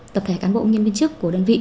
tập thể cán bộ nhân viên chức của đơn vị